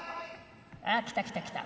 あっ来た来た来た。